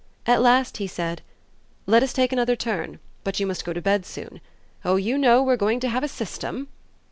At last he said: "Let us take another turn but you must go to bed soon. Oh you know, we're going to have a system!"